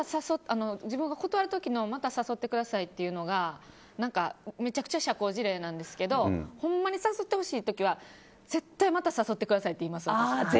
また誘ってくださいっていうのが、めちゃくちゃ社交辞令なんですけどほんまに誘ってほしい時は絶対また誘ってくださいって言います。